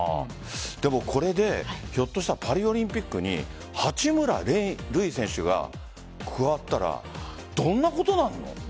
でも、これでひょっとしたらパリオリンピックに八村塁選手が加わったらどんなことになるの？